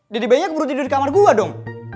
deddy bay nya keburu tidur di kamar gua dong